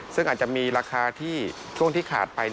ซึ่งอาจจะมีราคาที่ช่วงที่ขาดไป